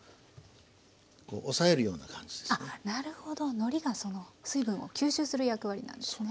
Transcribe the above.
のりがその水分を吸収する役割なんですね。